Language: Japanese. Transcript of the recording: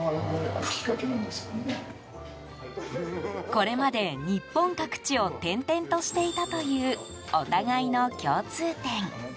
これまで日本各地を転々としていたというお互いの共通点。